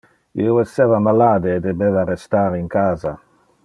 Io esseva malade e debeva restar in casa.